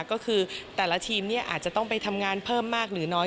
ก็คือแต่ละทีมอาจจะต้องไปทำงานเพิ่มมากหรือน้อย